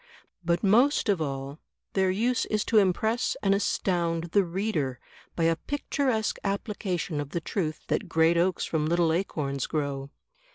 But most of all their use is to impress and astound the reader by a picturesque application of the truth that great oaks from little acorns grow.